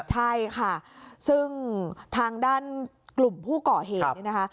ใช่ค่ะซึ่งทางด้านกลุ่มผู้ก่อเหตุนี่นะคะ